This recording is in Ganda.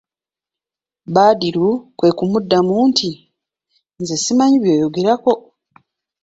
Badru kwe kumuddamu nti:"nze simanyi byoyogerako"